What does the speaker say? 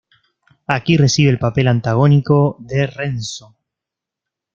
Aquí recibe el papel antagónico de Renzo.